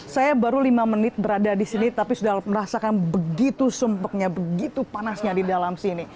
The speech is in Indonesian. saya baru lima menit berada di sini tapi sudah merasakan begitu sumpahnya begitu panasnya di dalam sini